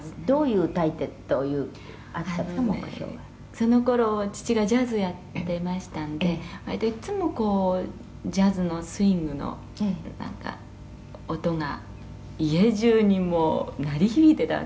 「その頃父がジャズやってましたんで割といつもこうジャズのスウィングのなんか音が家中にもう鳴り響いてたわけです」